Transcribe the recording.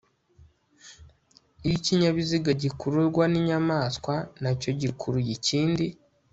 iyo ikinyabiziga gikururwa n inyamaswa nacyo gikuruye ikindi